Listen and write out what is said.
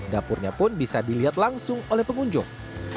dapurnya pun bisa dilihat langsung oleh pengunjung